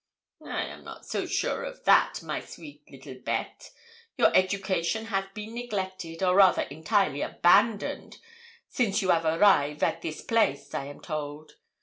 'I am not so sure of that, my sweet little béte; your education has been neglected, or rather entirely abandoned, since you 'av arrive at this place, I am told.